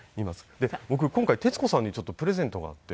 僕今回徹子さんにちょっとプレゼントがあって。